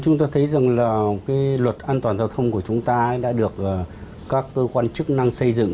chúng ta thấy rằng là cái luật an toàn giao thông của chúng ta đã được các cơ quan chức năng xây dựng